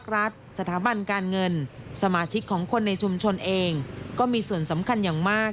และคนในชุมชนเองก็มีส่วนสำคัญอย่างมาก